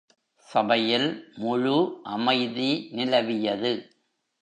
சபையில் முழு அமைதி நிலவியது.